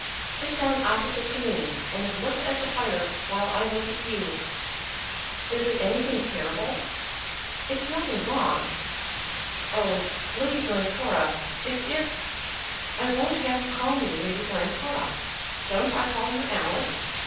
"Sit down opposite to me, and look at the fire while I look at you." "Is it anything terrible?" "It's nothing wrong." "Oh, Lady Glencora, if it's " "I won't have you call me Lady Glencora. Don't I call you Alice?